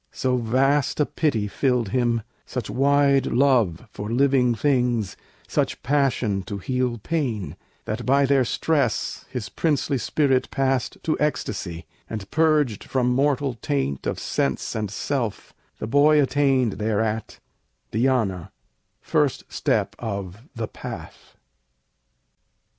So vast a pity filled him, such wide love For living things, such passion to heal pain, That by their stress his princely spirit passed To ecstasy, and, purged from mortal taint Of sense and self, the boy attained thereat Dhyâna, first step of "the Path."